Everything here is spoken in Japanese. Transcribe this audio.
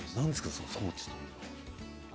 その装置というのは。